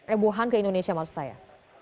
eh wuhan ke indonesia maksud saya